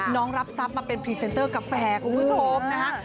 น้องรับทรัพย์มาเป็นพรีเซนเตอร์กาแฟของผู้โทษนะฮะ